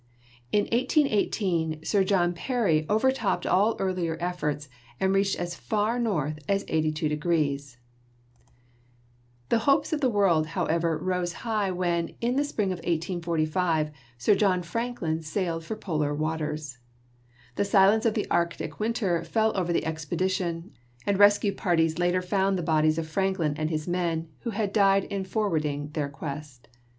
In 1818 Sir John Parry overtopped all earlier efforts, and reached as far north as 82 . The hopes of 32 GEOLOGY the world, however, rose high when, in the spring of 1845, Sir John Franklin sailed for polar waters. The silence of the Arctic winter fell over the expedition, and rescue parties later found the bodies of Franklin and his men, who had died in forwarding their quest.